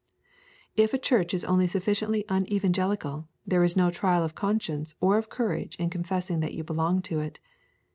If a church is only sufficiently unevangelical there is no trial of conscience or of courage in confessing that you belong to it.